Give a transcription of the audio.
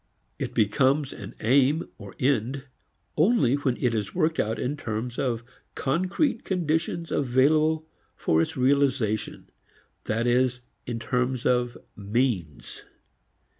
It becomes an aim or end only when it is worked out in terms of concrete conditions available for its realization, that is in terms of "means."